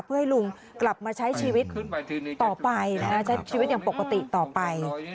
เพื่อให้ลุงกลับมาใช้ชีวิตต่อไปใช้ชีวิตอย่างปกติต่อไป